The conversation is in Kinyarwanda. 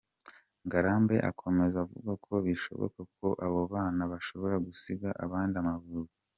Ngarambe akomeza avuga ko bishoboka ko abo bana bashobora gusiga abandi amavunja.